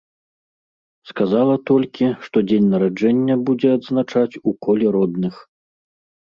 Сказала толькі, што дзень нараджэння будзе адзначаць у коле родных.